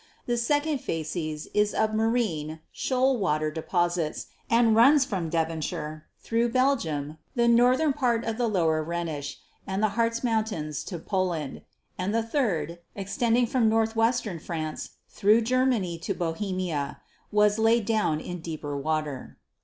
The second facies is of marine, shoal water deposits and runs from Devonshire, through Belgium, the northern part of the lower Rhenish and the Hartz Mountains to Poland; and the third, extending from northwestern France, through Germany to Bohemia, was laid down in deeper water.